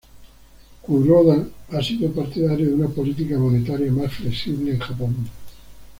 Kuroda ha sido partidario de una política monetaria más flexible en Japón.